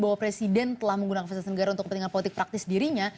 bahwa presiden telah menggunakan fasilitas negara untuk kepentingan politik praktis dirinya